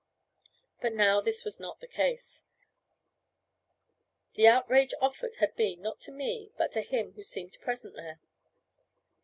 But now this was not the case. The outrage offered had been, not to me, but to him who seemed present there.